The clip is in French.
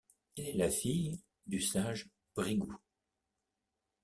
Elle est la fille du sage Bhrigu.